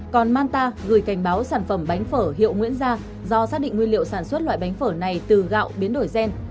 còn manta gửi cảnh báo sản phẩm bánh phở hiệu nguyễn gia do xác định nguyên liệu sản xuất loại bánh phở này từ gạo biến đổi gen